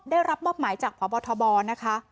ได้รับมอบหมายจากพบทบนะคะ